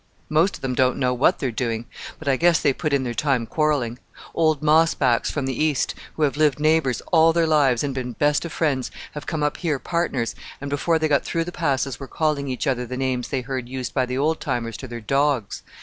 "Most of them don't know what they are doing; but I guess they put in their time quarrelling. Old Moss backs from the East, who have lived neighbours all their lives, and been best of friends, have come up here partners, and before they got through the Passes were calling each other the names they heard used by the old timers to their dogs!